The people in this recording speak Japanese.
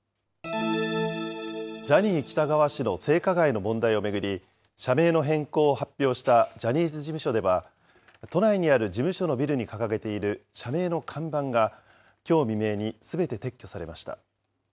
ジャニー喜多川氏の性加害の問題を巡り、社名の変更を発表したジャニーズ事務所では、都内にある事務所のビルに掲げている社名の看板が、きょう未明にすべて撤去されました。